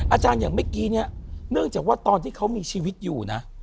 อย่างเมื่อกี้เนี่ยเนื่องจากว่าตอนที่เขามีชีวิตอยู่นะ